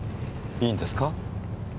いいんですか？